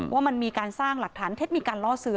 ว่ามันมีการสร้างหลักฐานเท็จมีการล่อซื้อ